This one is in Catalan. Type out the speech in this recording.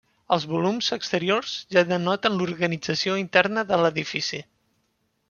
Els volums exteriors ja denoten l'organització interna de l'edifici.